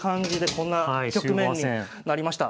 こんな局面になりました。